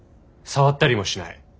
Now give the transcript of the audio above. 触ったりもしない。